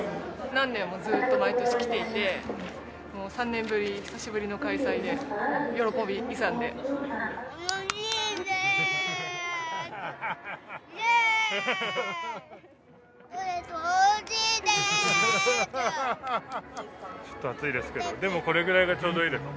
何年もずーっと毎年来ていて、もう３年ぶり、久しぶりの開催で、楽しいでーす！